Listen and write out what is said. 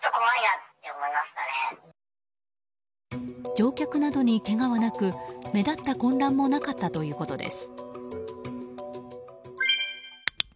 乗客などにけがはなく目立った混乱もなかったということです。